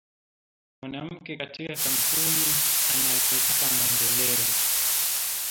Mwanamuke katika kampuni analeteka maendeleo